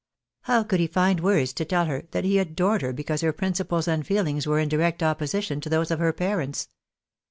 How could he find words to tell her that he adored her because her prin ciples and feelings were in direct opposition to those of her parents?